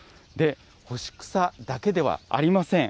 干し草だけではありません。